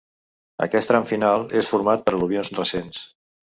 Aquest tram final és format per al·luvions recents.